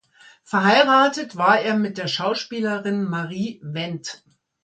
Verheiratet war er mit der Schauspielerin Marie Wendt.